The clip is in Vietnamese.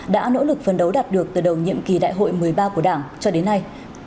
đã nỗ lực phân đấu đạt được từ đầu nhiệm kỳ đại hội một mươi ba của đảng cho đến nay